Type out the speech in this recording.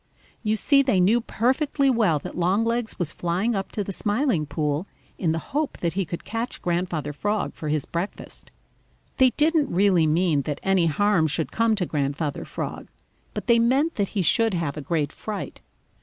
You see they knew perfectly well that Longlegs was flying up to the Smiling Pool in the hope that he could catch Grandfather Frog for his breakfast. They didn't really mean that any harm should come to Grandfather Frog, but they meant that he should have a great fright.